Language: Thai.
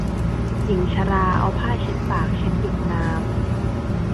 หญิงชราเอาผ้าเช็ดปากเช็ดหยดน้ำ